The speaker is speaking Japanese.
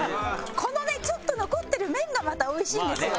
このねちょっと残ってる麺がまた美味しいんですよ。